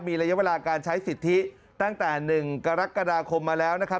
มีระยะเวลาการใช้สิทธิตั้งแต่๑กรกฎาคมมาแล้วนะครับ